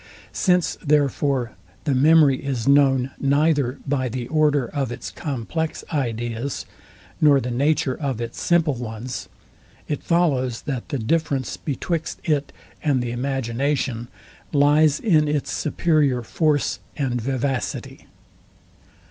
Since therefore the memory, is known, neither by the order of its complex ideas, nor the nature of its simple ones; it follows, that the difference betwixt it and the imagination lies in its superior force and vivacity.